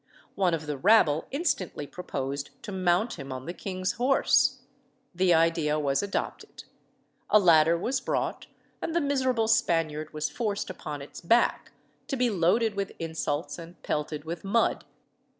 One of the rabble instantly proposed to mount him on the king's horse. The idea was adopted. A ladder was brought, and the miserable Spaniard was forced upon its back, to be loaded with insults and pelted with mud.